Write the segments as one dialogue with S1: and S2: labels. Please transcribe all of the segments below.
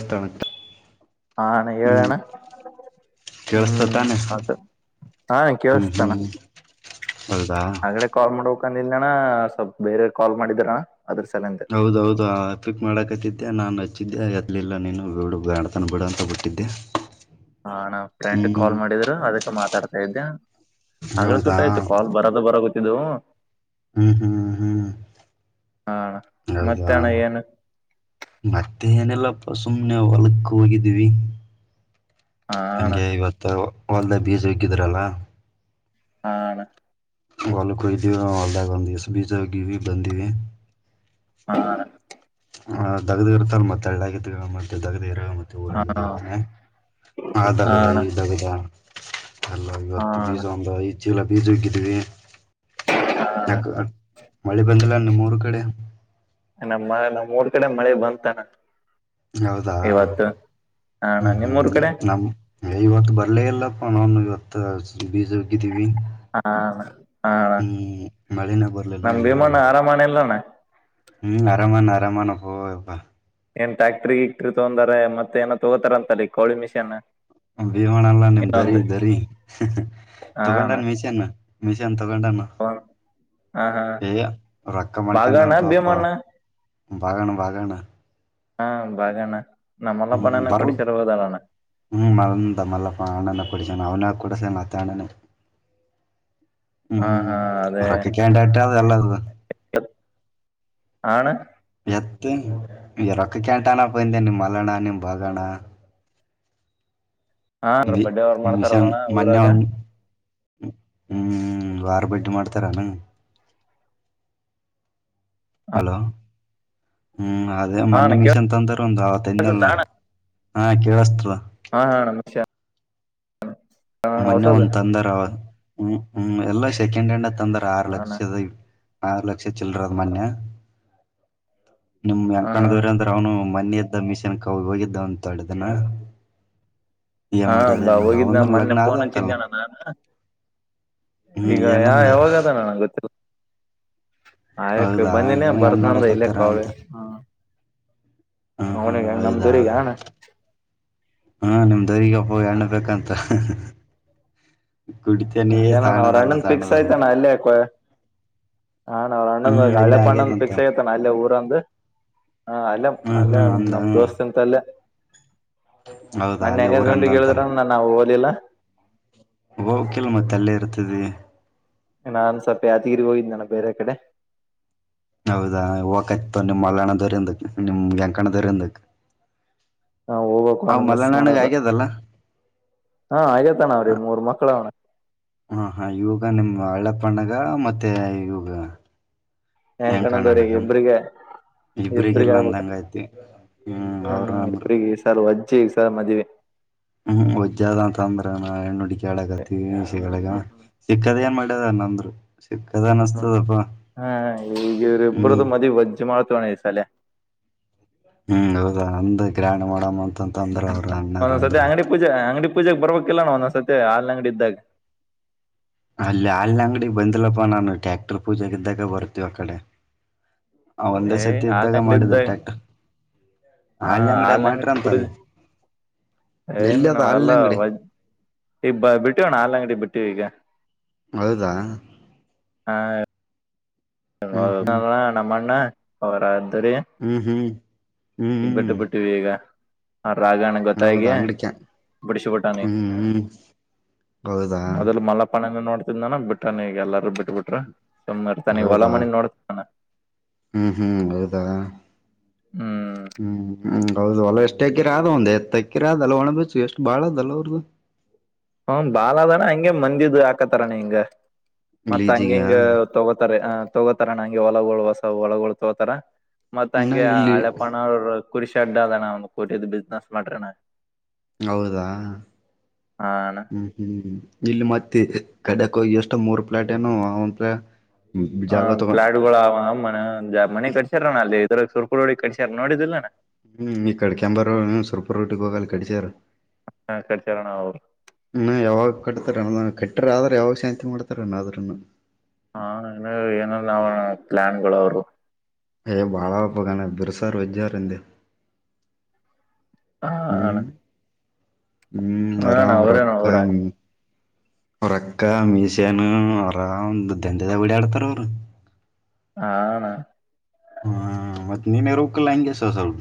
S1: ಎಸ್ತ
S2: ಹಣ ಏಳಣ
S1: ಕೇಳಸ್ತ
S2: ಹ್ಮ್
S1: ತಾನೆ
S2: ಹಾಗದ ಹಾ
S1: ಹ್ಮ್
S2: ಕೇೇಳಿಸತಾನ
S1: ಹ್ಮ್ ಹೌದಾ
S2: ಆಡೆ ಕಾಲ್ ಮಾಡ ಹಕಂದಿದಣ ಸ್ವಲ್ಪ ಬೇರೆ ಕಾಲ್ ಮಾಡಿದ್ರಣ ಅದ್ರ ಸಲಿಂದ
S1: ಹೌದೌದು ಪಿಕ್ ಮಾಡಕತ್ತಿದ್ದೆ ನಾನನ್ ಹಚ್ಚಿದ್ದೆ ಅದಲಲ್ಲ ನೀನು ಬಿಡು ಬ್ಯಾಂಡ ತನ ಬಿೇಡ ಅಂತ ಬಿಟ್ಟಿದ್ದೆ
S2: ಹಾ ನಾ ಫ್ರೆಂಡ್
S1: ಹ್ಮ್
S2: ಕಾಲ್ ಮಾಡಿದ್ರು ಅದಕ್ಕೆ ಮಾತಾಡ್ತಾ ಇದ್ದೆ ಆ್ರ
S1: ಹೌದಾ
S2: ಸುಟ್ ಆಯ್ತು ಕಾಲ್ ಬರೋದು ಬರ ಗೊತ್ತಿದ್ದವು
S1: ಹ್ಮ್ ಹ್ಮ್ ಹ್ಮ್
S2: ಹಾ ಅಣ್ಣ ಮತ್ತೆ
S1: ಹೌದಾ
S2: ಅಣ್ಣ ಏನು
S1: ಮತ್ತೆ ಏನೆಲ್ಲ ಸುಮ್ನೆ ಹೊಲಕ್ಕ ಹೋಗಿದೀವಿ
S2: ಹಾ ಅಣ್ಣ
S1: ಹಂಗೆ ಇವತ್ತು ಹೊಲ್ದ ಬೀಜ ಹಕ್ಕಿದ್ರಲ್ಲ
S2: ಹಣ
S1: ವಲ್ ಕುಯ್ದೀವಿ ಹೊಲ್ದಾಗ ಒಂದುಸ್ ಬೀಜೋಗಿವ ಬಂದಿವವಿ
S2: ಹಾ
S1: ಆ್ ದಗ್ದಿ ಇರ್ತಲ್ ಮತ್ತೆಳ್ಳಗಗ್ದ ಮತ್ತೆ
S2: ಹಾ
S1: ಊರಾಗತಾನೆ ಆ
S2: ಹಾ
S1: ದಗದ
S2: ಅಣ್ಣ
S1: ಈ ದಗದ ಎಲ್ಲ
S2: ಹಾ
S1: ಬತ್ತು ಪಿಜ
S2: ಅಣ್ಣ
S1: ಆ ಜಲ್ಲಾಗ ಪಿಜೋೋಗಿದ್ದಿದೆ ನ ಮಳಿ ಬಂದಿಲ್ಲನ್ನ ಮೂರು ಕಡೆ
S2: ನಮ್ಮ ನಮ್ಮ ಊರ್ ಕಡೆ ಮಳೆ ಬಂತಾನ
S1: ಹೌದಾ
S2: ಹಾ ಅಣ್ಣ
S1: ಹ್ಮ್ ಹ್ಮ್
S2: ನಿಮ್ಮೂರ್ ಕಡೆ
S1: ನಮ ಇವತ್ತು ಬರ್ಲ ಇಲ್ಲಪ್ಪ ನನು ಇವತ್ತು ಬಜೌಕಿದ್ದಿವವಿ
S2: ಹಾ ಅಣ್ಣ ಹಾ ಅಣ್ಣ
S1: ಹ್ಮ್ ಮಳಿನ
S2: ನಮ್
S1: ಬರಲಲ್ಲನ್ನ
S2: ಭೀಮಣ್ಣ ಆರಾಮಣ ಇಲ್ಲಣ್ಣ
S1: ಹ್ಮ್ ಆರಾಮ ಅರಮನಪ
S2: ಏನ್ ಟ್ಯಾಕ್ಟ್ರಿ ಇಕ್ಟ್ರಿ ತಗಂದಾರ ಮತ್ತ ಏನೋ ತೊಗೋತಾರ ಅಂತಲ್ಲಿ ಕೋಳಿ ಮಿಷಿನ್
S1: ಭೀವಣಲ್ಲ ನಿಮ್ ದರಿ ದರಿ
S2: ಹಾ
S1: ತಗೊಂಡನ್
S2: ನನ್
S1: ಮಿಷನ್ ಮಿಷನ್ ಅಗೊಂಡನ್ನ
S2: ಹ ಹಾ
S1: ಏಯ ರೊಕ್ಕ
S2: ಬಾಗಣ್ಣ
S1: ಮಾಡ್ಕಂದತಪ
S2: ಭೀಮಣ್ಣ
S1: ಬಾಗಣ್ಣ ಬಾಗಣ್ಣ
S2: ಹಾ ಬಾಗಣ್ಣ
S1: ಹ್ಮ್
S2: ನಮ್ಮಲ್ಲಪ್ಪಣ್ಣನ
S1: ಬರ
S2: ಕೊಡಿಸಿರ ಹೋದಲ್ಲಣ್ಣ
S1: ಹ್ಮ್ ಮಂದ ಮಲ್ಲಪ್ಪ ಅಣ್ಣನ ಕೊಡ ಅವ್ನ ಕೂಡ ಸ ತಾಣನ
S2: ಹಾ
S1: ಹ್ಮ್
S2: ಹಾ ಅದೇ
S1: ಉರಕ್ಕ ಕಂಡ ಆಟ ಅದಲ್ಲ ಇದು
S2: ಆಣ
S1: ಹ ಈ ರೊಕ್ಕ ಕೆಯಾಂಟಾನ ಪಯಂದ ನಿಮ್ಮ್ ಮಲನಾ ನಿ್ ಬಗಣ
S2: ಹಾ ಅಂದ್ರ
S1: ನಿ
S2: ಬಡ್ಡೆ ಅವ್ರ
S1: ಮಷಾ
S2: ಮಾಡ್ತಾರಲ್ಲಣ
S1: ಮನ್ನೆ
S2: ಊರಾಗ
S1: ಒ ಹ್ಮ್ ವಾರ ಭೇಟಿ ಮಾಡ್ತಾರ ನ ಅಲೋ ಹ್ಮ್ ಅದೇ
S2: ಹಾ
S1: ಮೊನ್ನೆ
S2: ಅಣ್ಣ ಕೇಳ
S1: ಮೀಶ ಅಂತ ಅಂತಾರ ಒಂದು ಆತ್ಲ್ ಹಾ ಕೇಳಸ್ತ್ರ
S2: ಹಾ ಹಾ ನಮಶಾ
S1: ಮೊನ್ನೆ ಒಂದ್ ತಂದರ್ಮ್ಮ್ ಎಲ್ಲಾ ಸೆಕೆಂಡ್ ಹ್ಯಾಂಡ್ ತಂದಾರ ಆರು
S2: ಹಾಣ
S1: ಲಕ್ಷದ ಆರು ಲಕ್ಷ ಚಿಲ್ಲರ ಅದ್ ಮೊನ್ ನಿಮ್
S2: ಹ ಹಾ
S1: ಯಂಕಣದವ್ರ ಅಂದ್ರ ಅವನು ಮ ಇದ್ದಥ ಮಿಷನ್ ಕವು ಹೋಗಿದ್ದ ಅಂತ ಅಳ್ದನ
S2: ಹಾಾ ಹೋಗಿದ್ ನ ಮೊನ್ನೆ
S1: ಆದಂತಲ್ಲ
S2: ನ್ಚ್ಚಮದ್ದೆಣ್ಣ ನಾನ
S1: ಹ್ಮ್
S2: ಈಗ ಯಾ
S1: ಏನಂದ
S2: ಯಾವಾಗ ಅದಣಣ ಗೊತ್ತ ಆಯಕ್
S1: ಹೌದಾ
S2: ಬಂದಿನಿ
S1: ಏನೋ ಹೆಣ್ಣ
S2: ಬರ್ತ್ನಂದ ಇಲ್ಲಕ್
S1: ನೋಡಕ್ತಾರ
S2: ಅವಿ
S1: ಅಂತ
S2: ಹ
S1: ಹ ಹಾ
S2: ಅವನಿಗೆ
S1: ಹೌದಾ
S2: ನಮ್ದೂರಿಗಣ
S1: ಹಾ ನಿಮ್ದಗಪ್ಪೋಗಿ ಎಣ್ಣ ಬೇಕಂತ
S2: ಹ
S1: ಕುಡಿತೇನಿ
S2: ಏನಣ್ಣ ಅವ
S1: ಸಾಣದಲ್ಲ
S2: ಅಣ್ಣನ್ ಫಿಕ್ಸ್
S1: ಸಾಣದಲ್ಲ
S2: ಆಯ್ತಣ್ಣ ಅಲ್ಲೇ ಹಾ ಅಣೊಂದ
S1: ಹ್ಮ್
S2: ಹಳೆ
S1: ಇಲ್ಲಿ
S2: ಣ್ಣೊಂದ
S1: ಆಗ್ಯದಂತ
S2: ಪಿಕ್ಸ್ ಆಗತಾನ ಅಲ್ಲೇ ಊರಂದು ಹ ಅಲ್ಲ
S1: ಹ್ಮ್
S2: ಅಲ್ಲ
S1: ಹ್ಮ್ ಅಂದ
S2: ನಮ್ಮ ದೋಸ್ತ ಎಂತ ಅಲ್ಲ
S1: ಹೌದಾ
S2: ನನ್
S1: ಅಲ್ಲೇ
S2: ಗಜ
S1: ಊರಂದ
S2: ಗಂಟಗ್ ಕೇಳಿದ್ರ ನ ನವು ಹಓಲಿಲ್ಲ
S1: ಹೋಗಕಲ್ ಮತ್ತೆ ಅಲ್ಲೇ ಇರ್ತದೆ
S2: ನಾನ್ ಸ್ವಲ್ಪ ಯಾದಗಿರಿ ಹೋಗಿದ್ದೆ ನಾನ ಬೇರೆ ಕಡೆ
S1: ಹೌದಾ ಹೋಗಕಯ್ತ ನಿಮ್ ಅಲ್ಲಣದವರಿಂದಕ್ ನಿಮ್ ಯಂಕಣ್ಣದವರಿಂದಕ್
S2: ನಾವು ಹೋಗ್ಬೇಕು
S1: ಅವ
S2: ಅವ್ನು
S1: ಮಲ
S2: ಮಿಸ್
S1: ನ್ಣಗ
S2: ಮಾಡಲ್ಲ
S1: ಆಗ್ಯದಲ್ಲ
S2: ಹಾ ಆಗೇತಣ ಅವ್ರಿ
S1: ಹ
S2: ಮೂರ್ ಮಕ್ಳ ಅವನ
S1: ಹ ಹಾ ಇವಾಗ ನಿಮ್ ಹಳ್ಳಪ್ಪಣ್ಣ ಈಗ ಮತ್ತೆ ಈಗಾಗ
S2: ಹೆನ್ ಕಣದವ್ರೀ ಇಬ್ರಿಗೆ ಇಬ್ರಿಗೆ
S1: ಇಬ್ರಗಲ್ಲ
S2: ಆಗ್ಬೇಕ
S1: ಅಂದಂಗ ಐತಿ ಹ್ಮ ಅವರು ಅಂದರು
S2: ಹೆಚ್ಚಗ ಸರ್ ಮದ್ವೆ
S1: ಹ್ಮ್ ಒಜ್ಜ ಅ ಅಂತ ಅಂದ್ರ ನ ಹೆಣ್ಣುಡ್ಿಕ ಹೇಳಗತಿಗ
S2: ಹ್ಮ್
S1: ಸಿಕ್ಕದ ಏನ್ ಮಾಡ ದ ನಂದರು
S2: ಹ್ಮ ಹಾ ಈಗ ಇವ್ರ
S1: ಹ್ಮ್
S2: ಇಬ್ಬ್ರದು ಮದಿ ವಜ್ಜ್ ಮಾಡ ತೊಣ ದಿವಸ ಅಲ್ಲೇ
S1: ಹ್ಮ ಹೌದ ಅಂದ್ ಗ್ರ್ಯಾಂಡ್ ಮಾಡಮ್ಮ ಅಂತಂತ ಅಂದ್ರ ಅಣ್ಣಾರ
S2: ಒಂದೊಂದ್ ಸತಿ
S1: ಅಂದ್ರ
S2: ಅಂಗಡಿ ಪೂಜೆ ಅಂಗಡಿ ಪೂಜೆೆಗೆ ಬರ್ಬೇಕಿಲ್ಲಾನ ಒಂದೊಂದ್ ಸತಿ ಹಲ್ ಅಂಗಡಿ ಇದ್ದಾಗ
S1: ಅಲ್ಲಿ ಅಲ್ ಅಂಗಡಿ ಬಂದಿಲ್ಲಪ್ಪ ನಾನು ಟ್ಯಾಕ್ಟರ್ ಪೂಜೆಗ್ದಾಗ ಬರ್ತೀವಿ ಆ ಕಡೆ ಹ ಒಂದೇ
S2: ಏ
S1: ಸತಿ
S2: ಹಾಲ್
S1: ಇದ್ದಾಗ
S2: ಅಂಗಡಿ
S1: ಮಾಡಿದ್ದ ಟ್ಯಾಕ್ಟರ್
S2: ಹಾ
S1: ಹಲ್ಲಂಗಡೆ
S2: ಹಾಲ್ ಅಂಗಡಿ
S1: ಮಾಡಟ್ರ ಅಂತಾನ
S2: ಪೂಜೆ ಏನ್
S1: ಎಲ್ಲಿ ಅದ
S2: ಎಲ್ಲ
S1: ಹಾಲಿನ ಅಂಗಡಿ
S2: ಈ ಬಿಟ್ಟವಣ ನಲ್ಂಗಡಿ ಬಿಟ್ಟಿವ ಈಗ
S1: ಹೌದಾ ಹ್ಮ್ ಹ್ಮ್
S2: ನಮ್ಮ್ಣ ಅವರ ಸರಿ
S1: ಹ್ಮ್ ಹ್ಮ್ ಹ್ಮ್
S2: ಈ ಬಟ್ಟೆ
S1: ಹ್ಮ್
S2: ಬಿಟ್ಟಿವಿ ಈಗ ಹ ರಾಗಣ ಗೊತ್ತ
S1: ಹೌದಾ ಅಂಗಡಿಕ
S2: ಬಿಡಿಸಬುಟ್ಟಾನಿ
S1: ಹ್ಮ್ ಹ್ಮ್ ಹೌದಾ
S2: ಅದಲ್ಲ ಮಲ್ಲಪಣನ ನೋಡ್ತಿದಾನ ಬಿಟ್ಟಾನ ಈಗ ಎಲ್ಲಾರು ಬಿಟ್ ಬಿಟ್ರ
S1: ಹೌದಾ ಹ್ಮ್ ಹ್ಮ್ ಹೌದಾ ಹ್ಮ್ ಹ್ಮ್ ಹೌದು ಅ ಎಷ್ಟ ಅಕ್ಕಿರ ಆದ ಒಂದ್ ಎತ್ತ ಅಕ್ಕಿರ ಆದಲ್ಲ ಒಣ ಬಚ್ಚು ಎಷ್ಟು ಬಾಳ ಅದಲ್ಲ ಅವ್ರ್ದು
S2: ಹ್ಮ ಬಾಲ್ ಅದಣ ಹಂಗೆ ಮಂದಿದು ಹಾಕತಾರಣ ಹಿಂಗ ಮತ್ತತ್ ಹಂಗ
S1: ಲೀಜಿಗ್ಯಾ
S2: ಹಂಗ ತಗೋತಾರ ತಗೋತಾರ ನಂಂಗಗೆ ಹೊಲಗಗಳು ಹೊಸ ಒಳಗಗಳು ತಗೋತಾರ ಮತ್
S1: ಇನ್ನ
S2: ಹಂಗೆ
S1: ಇಲ್ಲಿ
S2: ಹಳೆಪಣ ಅವರು ಕುರಿಷಿ ಅಡ್ ಅದಣ್ಣ ಒಂದ್ ಕುರಿಿದ ಬಿಸ್ನೆಸ್ ಮಾಡ್ರಣ
S1: ಹೌದಾ
S2: ಹಾ ಅಣ್ಣ
S1: ಹ್ಮ್ ಹ್ಮ್ ಇಲ್ಲಿ ಮತ್ತೆ ಕಡಕ್ೋಗಿ ಎಷ್ಟು ಮೂರ್ ಪ್ಲೇಟ್ ಏನು ಒಂದ್ ಪ್ಲೇ
S2: ಹ ಪ್ಲಾಟ್ಗಳು ಅವಮ್ಮ ಮನೆ ಕಟ್ಸಾರ ಅಲ್ಲಿ ಇದ್ರ ಸುರ್ಕುಿ ಕಸ ಚರ್ ನೋಡಿದಿಲ್ಲಾನ
S1: ಹ್ಮ್ ಈ ಕಡೆ ಕೆಂಂಬ ರೋ ಸೊರ್ಪು ರೊಟ್ಟಿ ಗೋೋಗಲಿ ಕಡಿಸಾರರು
S2: ಕಟ್ಸ್ಯಾರಣ ಅವ್ರು
S1: ಹ ಯಾಗ ಕತಣ ಕಟ್ಟ ಆದ್ರ ಯಾವಾಗ ಶಾಂತಿ ಮಾಡ್ತಾರಣ ಅದ್ರನ್ನ
S2: ಹಾ ಏನ ನಾವ ಪ್ಲಾನ್ಗಳು ಅವರು
S1: ಭಾಳಪ್ಪಗಾನ ಬಿರುಸಾರ ವಜ್ಜಾರಿಂದೆ
S2: ಹಾ ಆಣ
S1: ಹ್ಮ್ ಆರಾಮ್
S2: ಅವ್ರೇನು
S1: ರಕ್ಕ
S2: ಅವ್ರ
S1: ಅವ್ರಕ್ಕ ಮೀಶನ್ ಅವರ ಒಂದು ದಂಧೆದಾಗ ಡ ಆಡ್ತಾರ ಅವರು
S2: ಹಣ
S1: ಹ್ಮ ಮತ್ತನಮ ರೋಕ ಲಾಯಂಗೆ ಸಸಲ್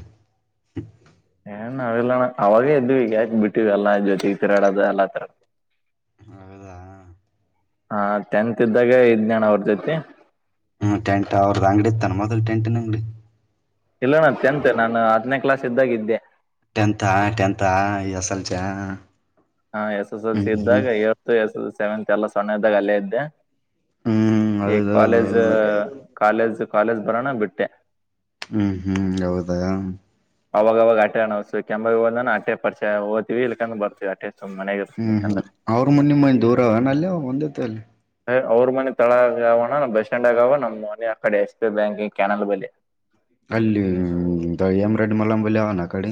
S2: ಏನ್ ನಾವೆಲ್ಲಣ ಅವಾಗೇ ಇದ್ೀವಿ ಈಗ ಯಾಕ ಬಿಟ್ಟಿವ ಎಲ್ಲಾ ಜೊತಿ ಈ ತಿರಾಡದು ಎಲ್ಲ ತರ
S1: ಹೌದಾ
S2: ಹಾ ಟೆಂತ್ ಇದ್ದಾಗ ಇಜ್ಞಾನ ಅವರ ಜೈತಿ
S1: ಹ್ಮ್ಟಂಟ್ ಅವ್ರದ್ದ ಅಂಗಡಿ ಇತ್ತಾನ ಮೊದ್ಲ್ ಟೆಂಟ್ನ ಅಂಗಡಿ
S2: ಇಲ್ಲ ನ ೆಂತ್ ನಾನು ಹದನೇ ಕ್ಲಾಸ್ ಇದ್ದಾಗಿದ್ದೆ
S1: ಟೆಂತ್ಾ ಟೆನಂತಾ ಎಸ್ ಎಲ್ಸಾ
S2: ಹಾ ಎಸ್ ಎಸ್ ಎಲ್ ಸಿ ಇದ್ದಾಗ ಎಏ ಎಸ್ ಎಸ್ ಸೆವೆಂತ್ ಎಲ್ಲ ಸೊಣ್ಣ ಇದ್ದಾಗ ಅಲ್ಲೇ ಇದ್ದೆ
S1: ಹ್ಮ್
S2: ಈ
S1: ಹೌದೌದು
S2: ಕಾಲೇಜ್
S1: ಹೌದು
S2: ಕಾಲೇಜ್ ಕಾಲೇಜ್ ಬರಾನ ಬಿಟ್ಟೆ
S1: ಹ್ಮ್ ಹ್ಮ್ ಹೌದಾ
S2: ಅವಾಗವಾಗ ಆಟೆಣ್ಸು ಕೆಂಬ ಹದ ಅಟೆ ಪರಿಚಯಓದ್ತಿವಿ ಇಲ್ಕಂದ್ ಬರ್ತೀವಿ ಆಟೆ ಸುಮ್ ಮನೆಗೆ ಇರ್ತೀನಿ
S1: ಹ್ಮ್ ಹ್ಮ್
S2: ಇಲ್ಕಂದ್ರೆ
S1: ಅವ್ರ ಮುನ್ನ ನಿಮ್ಮಂದ ದೂರ ಅವ ಅಲ್ಲಿ ಒಂದೇತೆ ಅಲ್ಲಿ
S2: ಅವ್ರ ಮನೆ ತಳ ಆಗ ಅವಣ ಬಸ್ ಸ್ಟ್ಯಾಂಡ್ ಆಗವ ನಮ್ಮ್ ಮನೆ ಆ ಕಡೆ ಎಷ್ಟೇ ಬ್ಯಾಂಕಿಂಗ್ ಕ್ಯಾನಲ್ ಬಳಿ
S1: ಅಲ್ಲಿ ಎಮ ರಡ್ ಮಲಂಬಲ್ಲಿ ಆ ಕಡೆ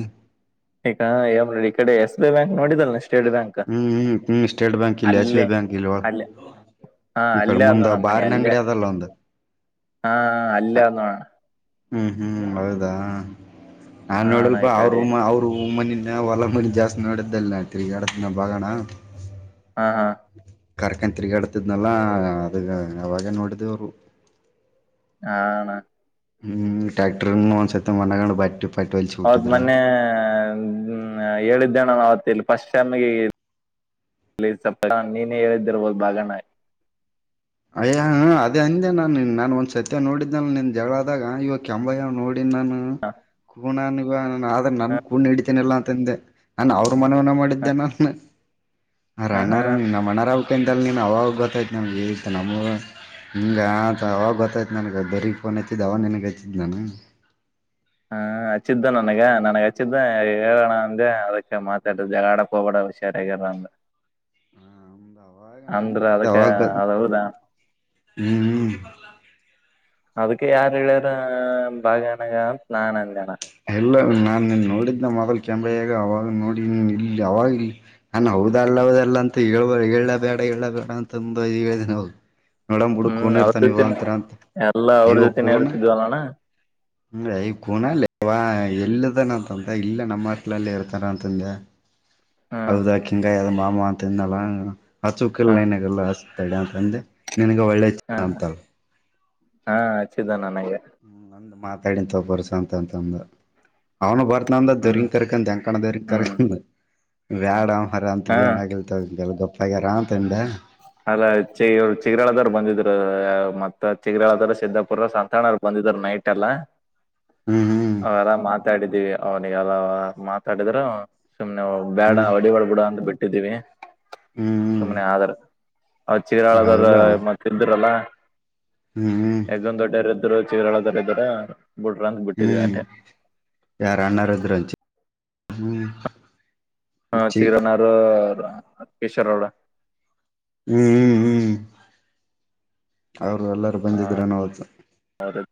S2: ಈಗಏ ಈ ಕಡೆ ಎಸ್ ಐ ಬ್ಯಾಂಕ್ ನೋಡಿದಲ್ಷ್ಟ ಸ್ಟೇಟ್ ಬ್ಯಾಂಕ್
S1: ಹ್ಮ್ ಹ್ಮ್ ಹ್ಮ್ ಸ್ಟೇಟ್ ಬ್ಯಾಂಕ್ ಇಲ್ಲಿ ಎಸ್ ಬಿ ಐ
S2: ಅಲ್ಲೇ
S1: ಬ್ಯಾಂಕ್ ಇಲ್ವಾ
S2: ಅಲ್ಲೇ ಹಾ
S1: ಈ ಕಡೆ
S2: ಅಲ್ಲ
S1: ಮುಂದ
S2: ಅಂದಣ ಅಮ್ಮನಿ
S1: ಬಾರಿನ
S2: ಅಲ್ಲ
S1: ಅಂಗಡಿ ಅದಲ್ಲ ಒಂದು
S2: ಹಾ ಅಲ್ಲಂದಣ
S1: ಹ್ಮ್ ಹ್ಮ್ ಹೌದಾ ನಾನ್
S2: ಹಾ ಅಣ್ಣ
S1: ನೋಡಲ್ಪ
S2: ಈ
S1: ಅವರು
S2: ಕಡೆ
S1: ಅವರು ಮನ ನಾವವು ಹೊಲ ಮನಿ ಜಾಸ್ತಿ ನೋಡಿದ್ದಲ್ ನ ತಿರ್ಗಾಡತ ನ ಭಾಗಣ
S2: ಹಾ ಹಾ
S1: ಕರ್ಕನ್ ತಿರುಗಾಡ್ತಿದ್ನಲ್ಲಾ ಅದ ಅವಾವಾಗ ನೋಡಿದೇವರು
S2: ಹಾ ಅಣ್ಣ
S1: ಹ್ಮ್ ಟ್ಯಾಕ್ಟರ್ ಒಂದ್ಸತಿ ಮನಗಂಡ್ ಬಟ್ಟಿ ಪಟ್ಟಿ ಹೊಲ್ಸಿ
S2: ಅವತ್
S1: ಬಿಟ್ಟಿದ್ರು
S2: ಮೊನ್ನೆ ಹೇಳಿದ್ದೇಣ ಅವತ್ಲ್ ಫಸ್ಟ್ಮಗೆ ನೀನೇ ಹೇಳಿದ್ದಿರ್ಬೋದು ಬಾಗನ
S1: ಅಯ್ಯ ಅದೇ ಅಂದೆ ನಾನ ನಾನನ್ ಒಂದ್ ಸತ್ಯ ನೋಡಿದ್ನ ನಿನ್ ಜಗಳ ಆದಾಗ ಇವ ಕೆಂಬಯ್ಯ ನೋ ನಾನ ಕೂಣನ್ಗ ಆದ್ರ ನನ್ ಕೂಣ ಹಡಿತೀನಿಲ್ಲ ಅಂತಂದೆ ನಾನ ಅವ ಮನ ಮಾಡಿದ್ದ ನ
S2: ಹ್ಮ್
S1: ಅಣ್ಣಾರ
S2: ಹ್ಮ್
S1: ನಮ್ಮ ಅಣ್ಣ ಅಪ್ಪಂತಲ್ಲಿ ನೀನು ಅವಾಗ ಗೊತ್ತಾಯತು ನಮಗೆತ್ತು ನಮ್ಗೆ ಹಿಂಗ ಆತ ಅವಾಗ ಗೊತ್ತಾಯ್ತತ್ ನನ್ಗ ಬರಗ್ ಫೋನ್ ಹಚ್ಚಿದ್ದ್ ಅವಾಗ ನನ್ಗ್ ಹಚ್ಚಿದ್ ನಾನ
S2: ಹಾ ಹಚ್ಚಿದ್ದ ನನಗ ನನಗ ಹಚ್ಚಿದ್ದ ಹೇಳೋಣ ಅಂದೆ ಅದಕ್ಕೆ ಮಾತಾಡ ಜಾಡಕ್ ಹೋಗಬಡ ಉಷಾರಗಿರು
S1: ಹಾ ಹ ನಾನು
S2: ಅದಕ್ಕ
S1: ಇದ್ದಾಗದು
S2: ಅದ್ ಹೌದಾ
S1: ಹ್ಮ್
S2: ಅದಕ್ಕೆ ಯಾರು ಹೇಳ್ಯಾರ ಭಾಗನಾಗ ನಾನ್ ಅಂದಣ
S1: ಎಲ್ಲ ನಾನು ನೋಡಿದ ಮೊದಲ್ ಕಾಮ್ರಾಗ ಅವಾಗ ನೋಡಿ ನೀನ್ ಇಲ್ಲಿ ಅವಾಗ ಇ ನಾನ ಹದಲ್ಲ ಹದಲ್ಲ ಅಂತ ಈಬ ಲ್ಲ ಬೇಡ ಎಲ್ಲ ಬೇಡ ಅಂತ ತುಂಬ ಹೇಳಿದೆ ನಾವು ನೋಡ್ ಬಿುಡಕ್
S2: ಹ್ಮ್
S1: ಕನ
S2: ಅವ್ರ
S1: ಇರ್ತಾನ ನೀವ
S2: ಜೊತೆನ
S1: ಅಂತರ ಅಂತ
S2: ಎಲ್ಲಾ ಅವ್ರ
S1: ಹಯ
S2: ಜೊತೆನೆ
S1: ಕಣ
S2: ಇರ್ತಿದ್ವಲ್ಲಣ್ಣ
S1: ಹಯೆ ಕೂನಾ ಲ್ಲೆವ ಎಲ್ಲದಾನಂತಂತದ ಇಲ್ಲಿ ನಮ್ಮಸ್ಲಲ್ಲಿ ಇರ್ತಾರ ಅಂತಂದೆ
S2: ಹ್ಮ್
S1: ಹೌದಾ ಕಿಂಗ್ ಆಗ್ಯದಾ ಮಾಮ ಅಂತನ್ನಲ್ಲ ಹಚ್ ಬೇಕಿಲ್ಲ
S2: ಹ್ಮ್
S1: ಏನಾಗಲ್ಲ ಅಂತಂದೆ ನಿನಗ್ ಒಳ್ಳೆಯ ಜನ
S2: ಹ್ಮ್
S1: ಅಂತಾರೆ
S2: ಹಾ ಹಚ್ಚಿದ್ದ ನನಗೆ
S1: ಒಂದು್ ಮಾತಾಡಿನಿ ತೊ ಬರ್ಸಅಂತ ಅಂತಂದ ಅವ್ನು ಬರ್ತ ನದಂದ
S2: ಹ್ಮ್
S1: ದೊರಿಕರಕೊಂಡು
S2: ಹ್ಮ್
S1: ಹೆಂಕಣ್ಣದೊರಿಕರಕೊಂಡ್ ಬ್ಯಾಂಡ್ ತಾ ಆದರ
S2: ಹಾ
S1: ಅಂತದ್ದ ಏನಾಗಿಲ್ತಗೊ ಜರಾ ಗಪ್ಆ ಗ್ಯಾರಂತಂದೆ
S2: ಅಲ್ಲ ಚಿ ಇವರು ಚಿಗರಾಳದವಾರರು ಬಂದಿದ್ರು ಮತ್ತ ಚಿಗರಾಳದಾರ ಸಿದಿದ್ದಾಪುರ ಸಂತಣ್ಣರು ಬಂದಿದರು ನೈಟ್ ಅಲ್ಲ
S1: ಹ್ಮ್
S2: ಅವಲ್ಲ ಮಾತಾಡಿದೀವಿ ಅವನಿಗೆಲ್ಲವ ಮಾತಾಡಿದ್ರು ಸುಮ್ನೆ ಬ್ಯಾಡಾ
S1: ಹ್ಮ್ ಹ್ಮ್
S2: ಹೊಡಿಬ್ಯಾಡಾ ಬಿಡು ಅಂತ ಬಿಟ್ಟಿದ್ದೀವಿ
S1: ಹ್ಮ್ ಹ್ಮ್
S2: ಸುಮ್ನೆ ಆದಾರ ಅವ ಚೀಗೆರಾಳದ್ರ
S1: ಹೌದಾ
S2: ಮತ್ತು ಇದ್ದೆರಲ್ಲ
S1: ಹ್ಮ್ ಹ್ಮ್
S2: ಹೆಗ್ಗಣ್ಣ ದೊಡ್ಡೆಯ್ರ ಇದ್ದರು ಚಿಗರಾಳದರು ಇದ್ದರು
S1: ಹ್ಮ್ ಯಾರ ಅಣ್ಣರದ್ರನು ಚಿ ಹ್ಮ್
S2: ಹ್ಮ
S1: ಚಿ
S2: ಚಿಗರಳರ ಕೇಶಗೌಡ
S1: ಹ್ಮ್ ಹ್ಮ್ ಹ್ಮ್ ಅವರು ಎಲ್ಲಾರ ಬಂದಿದ್ರ ನ ಅವತಾ
S2: ಅವ್ರ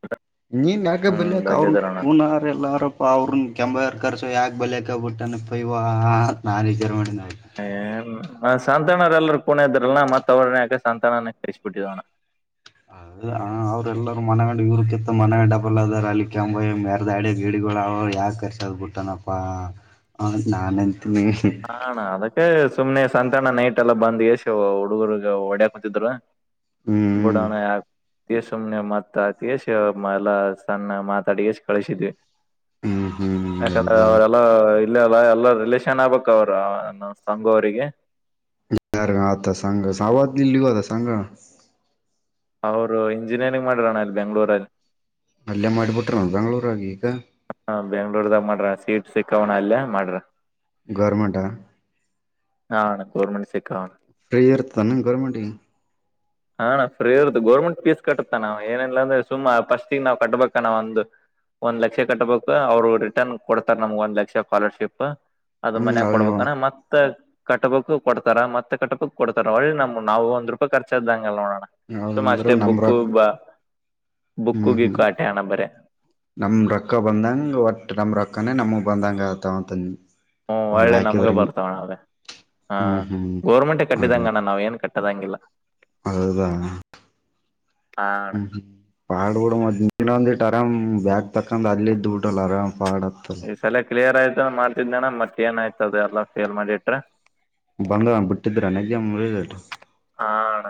S1: ನೀನ್ ಯಾಕ
S2: ಹ್ಮ್
S1: ಬಲ್ಕ ಅವ್ರ
S2: ಬಂದಿದಾರಣ
S1: ಕೂನರ್ ಎಲ್ಲ ಆರ ಅವ್ರನ್ ಕೆಂಭಾಯರ ಕರ್ಸೋ ಯಾಕೆ ಬಲಕಬಿಟ್ಟಾನಪ್ಪ ಇವಾಂತ ನಾನು ವಿಚಾರ ಮಾಡಿದೆ ನೆಪ್ಪ
S2: ಹ [unintelligible] ಸಂತು ಅಣ್ಣಾರ್ ಎಲ್ರು ಕೂನ ಇದ್ರಲ ಮತ್ತತ್ ಅವ್ರನೇಕಾಸಾಂತ ಅಣ್ಣನ ಕಳಿಸಿಬಿಟ್ಟವಿ ಅಣ್ಣಾ
S1: ಹೌ ಅವ್ರೆಲ್ಲರರು ಮನಗಂಡ್ ಇವ್ರ ಕಿತ್ತ ಮನಗಂಡ ಡಬಲ್ ಅದಲ್ಲಿಅಲ್ಲಿ ಕೆಂಭಾವಿಗಾ ಮೇರ್ದಆದಿವು ಗಡಿಗಳುದವ ಯಾಕ ಕರ್ಸದ್ ಬಿಟ್ಟನಪ್ಪಾ ನಾನು
S2: [inaudible] ಸುಮ್ನೆ ಸಂತಣ್ಣ ನೈಟ್ ಎಲ್ಲ ಬಂದ್ ಎಷ್ಟ್ ಹುಡುಗರಿಗಿ ಹೊಡ್ಯಾಕ್ ಕತಿದ್ರು
S1: ಹ್ಮ್
S2: ಬುಡಾ ಣ್ಣ ಯ ಅ ಸುಮನೆ ಮತ್ತ ಅತಿ ಕೆಷ ಎಲ್ಲ ಸಣ್ಣ ಮಾತಾಡಿಗೆಷ ಕಳಿಸಿದ್ವಿ
S1: ಹ್ಮ್ ಹ್ಮ್
S2: ಯಾಕಂದ್ರೆ
S1: ಹೌದಾ
S2: ಅವರೆಲ್ಲ ಇಲ್ಲ ಅಲ್ಲ ಎಲ್ಲ ರಿಲೇೇಶನ್ ಆಗಬೇಕು ಅಕ್ಕ ಅವ್ರ ನಮ್ಮ ಸಂಗು ಅವರಿಗೆ
S1: ಾರ ಆತ ಸಂಗ ಸಾಮರ್ ಲಿವ್ಹಾದ ಸಂಗಣ್ಣ
S2: ಅವರು ಇಂಜಿನಿಯರಿಂಗ್ ಮಾಡಿರಣ್ಣ ಅಲ್ಲಿ ಬೆಂಗ್ಳೂರಲ್ಲಿ
S1: ಅಲ್ಲೇ ಮಾಡಿಬಿಟ್ಟರನ್ನು ಬೆಂಗಳೂರಾಗ್ ಈಗ
S2: ಹ ಬೆಂಗ್ಳೂರ್ದಾಗ ಮಾಡ್ರ ಸೀಟ್ ಸಿಕ್ಕವಣ್ಣ ಅಲ್ಲೇ ಮಾಡ್ರ್
S1: ಗೌರ್ಮೆಂಟ್ ಆ
S2: ಹಾಂ ಗೌರ್ಮೆಂಟ್ ಸೆಕ್ಕ ವಣ್ಣ
S1: ಪ್ರಿ ಇರ್ತಾನ ಗೌರ್ಮೆಂಟ್ ಗಿ
S2: ಹಾ ಅಣ್ಣಫ್ರೀ ಇರ್ತ ಗೌರ್ಮೆಂಟ್ ಫೀಸ್ ಕಟ್ಟತ್ತಣ್ಣ ನಾವ್ ಏನಿಲ್ಲ ಅಂದ್ರೆ ಸುಮ್ ಫಸ್ಟ್ ಗೆ ನಾವ್ ಕಟ್ಬೇಕಣ್ಣ ನಾವ್ ಒಂದು ಒಂದ್ ಲಕ್ಷ ಕಟ್ಬೇಕು ಅವ್ರು ರಿಟರ್ನ್ ಕೊಡ್ತಾರ ನಮ್ಗ್ ಒಂದ ಲಕ್ಷ ಸ್ಕಾಲರ್ಶಿಪ್ ಅದು
S1: ಹ್ಮ್
S2: ಮನ್ಯಾಗ
S1: ಅವನವ
S2: ಕೊಡ್ಬೇಕಣ ಮತ್ತ ಕಟ್ಟಬೇಕ್ಕೊ ಕೊಡ್ತಾರ ಮತ್ತೆ ಕಟ್ಟಬೇಕ್ಕೊಡ್ತಾರ ಒಳ್ಳಿ ನಮ್ ನಾವು ಒಂದ ರೂಪಾಯಿ ಖರ್ಚಾದ್ದ ನೋಡೋಣ ಸುಮ್ಮ
S1: ಅವಂದ್ರ
S2: ಅಷ್ಟೆ ಬು ಕ್ಕೂ
S1: ನಮ್ರಕ್
S2: ಬ ಬುಕ್ಕು
S1: ಹ್ಮ್ ಹ್ಮ್
S2: ಗಿಕ್ಕು ಆಟೆ ಅಣ್ಣ ಬರೇ
S1: ನಮ ರೊಕ್ಕ ಬಂದಂಗ ಒಟ್ಟ ನಮ ರೊಕ್ಕ ಕಣ್ಣಣ ನಮೋ ಬಂದಂಗಾತ ಅಂತ
S2: ಹ್ಮ ಒಳ್ಳೆ ನಮ್ಗೆ ಬರ್ತಾವಣ ಅವೆ ಹ
S1: ಹ್ಮ್ ಹ್ಮ್
S2: ಗೌರ್ಮೆಂಟೆ
S1: ಹೌದು
S2: ಕಟ್ಟಿದಂಗಣ್ಣ ನಾವ್ ಏನ್ ಕಟ್ಟ ಅದಂಗಿಲ್ಲ
S1: ಹೌದಾ
S2: ಹಾ ಅಣ್ಣ
S1: ಹ್ಮ್ ಪಾಡ ಬುಡು ಮತ್ತ್ ಇನೊಂದಿಟ್ಟ ಆರಾಮ್ ಬ್ಯಾಗ್ ತಕಂಡು ಅಲ್ಲಿ ಇದ್ದ ಬಿಡುಲ್ಲಾ ಆರಾಮ್ ಪಾಡ್ ಆತ್ತಲ್
S2: ಈ ಸಲ ಕ್ಲಿಯರ್ ಆಯ್ತ ಮಾಡ್ತಿದ್ನಣ್ಣ ಮತ್ತ ಆನಾಯ್ತು ಅದೆಲ್ಲ ಫೇಲ್ ಮಾಡಿಟ್ರ
S1: ಬಂದದ ಆಣ್ಣ ಬಿಟ್ಟಿದ್ರನು ಎಕ್ಸಾಮ್ ರಿಸಲ್ಟ್
S2: ಹಾ ಅಣ್ಣ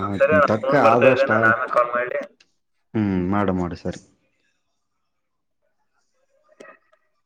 S2: ಹ ಸರಿ ನಾ
S1: ತಕ್ಕ
S2: ಫೋನ್ ಬರ್ತಾ ಇದ್ದೆ
S1: ಆದಷ್ಟ
S2: ನಾನ್ ಆಮೇ ಕಾಲ್ ಮಾಡಿ
S1: ಹ್ಮ್ ಮಾಡ ಮಾಡ ಸರಿ
S2: [unintelligible]